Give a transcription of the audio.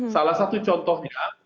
salah satu contohnya